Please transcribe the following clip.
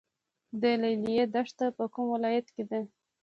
د لیلی دښته په کوم ولایت کې ده؟